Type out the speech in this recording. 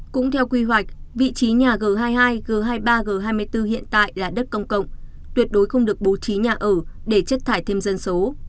cũng theo quy hoạch vị trí nhà g hai mươi hai g hai mươi ba g hai mươi bốn hiện tại là đất công cộng tuyệt đối không được bố trí nhà ở để chất thải thêm dân số